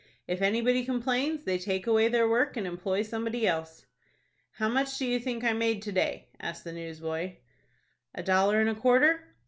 If anybody complains, they take away their work and employ somebody else." "How much do you think I made to day?" asked the newsboy. "A dollar and a quarter?"